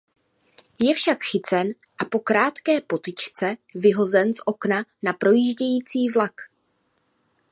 Je však chycen a po krátké potyčce vyhozen z okna na projíždějící vlak.